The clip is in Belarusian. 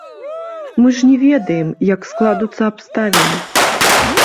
Мы ж не ведаем, як складуцца абставіны.